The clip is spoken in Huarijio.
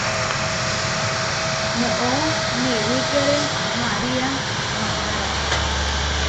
Noʼó newíkere María maará.